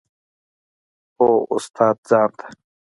هو استاده ځان ته.